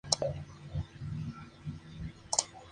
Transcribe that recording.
Fue bibliotecario de la Facultad de Medicina de Montpellier.